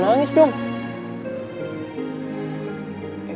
malam suatu tadi